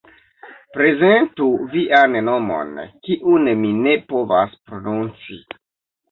Prezentu vian nomon, kiun mi ne povas prononci